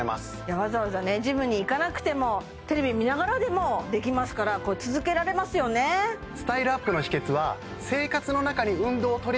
わざわざねジムに行かなくてもテレビ見ながらでもできますから続けられますよねでもこれだったら簡単なんでね